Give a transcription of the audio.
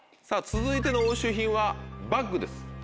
さぁ続いての押収品はバッグです。